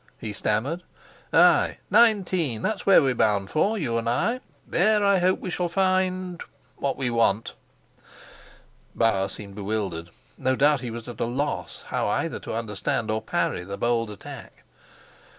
he stammered. "Ay, nineteen. That's where we're bound for, you and I. There I hope we shall find what we want." Bauer seemed bewildered: no doubt he was at a loss how either to understand or to parry the bold attack.